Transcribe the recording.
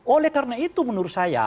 oleh karena itu menurut saya